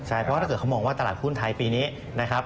ใช่เพราะถ้าเกิดเขามองว่าตลาดคุณไทยปีนี้